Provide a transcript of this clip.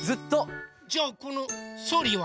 じゃあこのソリは？